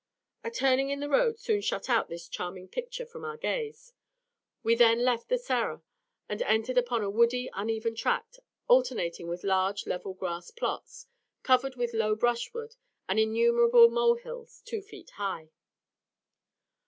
A turning in the road soon shut out this charming picture from our gaze; we then left the Serra and entered upon a woody, uneven tract, alternating with large level grass plots, covered with low brushwood, and innumerable mole hills, two feet high.